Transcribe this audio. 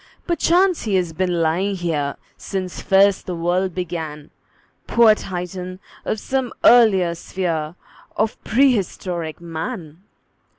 Perchance he has been lying here Since first the world began, Poor Titan of some earlier sphere Of prehistoric Man!